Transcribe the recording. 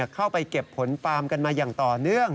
เข้าไปเก็บผลฟาร์มกันมาอย่างต่อเนื่อง